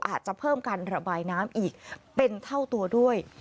อาจจะเพิ่มการระบายน้ำอีกเป็นเท่าตัวด้วย